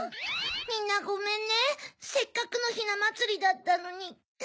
みんなごめんねせっかくのひなまつりだったのに。